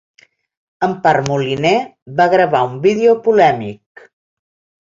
Empar Moliner va gravar un vídeo polèmic